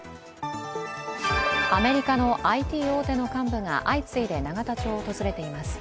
アメリカのＩＴ大手の幹部が相次いで永田町を訪れています。